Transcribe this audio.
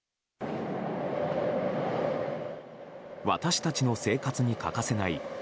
私たちの生活に欠かせない